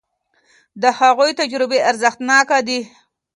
د هغوی تجربې ارزښتناکه دي.